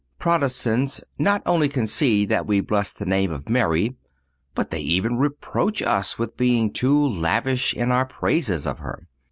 Protestants not only concede that we bless the name of Mary, but they even reproach us with being too lavish in our praises of her.